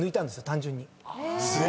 単純に。